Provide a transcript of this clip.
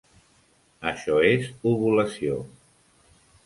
Això és ovulació.